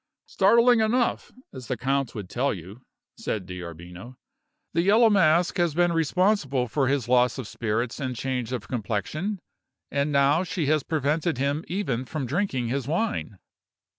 "Startling enough, as the count would tell you," said D'Arbino. "The Yellow Mask has been responsible for his loss of spirits and change of complexion, and now she has prevented him even from drinking his wine."